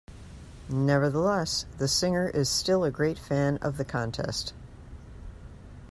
Nevertheless, the singer is still a great fan of the contest.